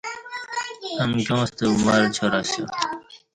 امکیاں ستہ ور چار دی اسیا